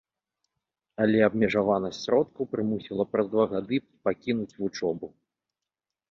Але абмежаванасць сродкаў прымусіла праз два гады пакінуць вучобу.